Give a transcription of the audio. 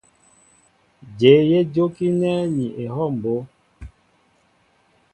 Jéé yé jókínέ ní ehɔw mbó.